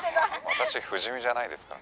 「私不死身じゃないですから」